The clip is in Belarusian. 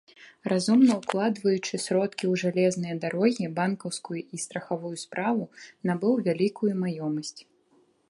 Разумна укладваючы сродкі ў жалезныя дарогі, банкаўскую і страхавую справу, набыў вялікую маёмасць.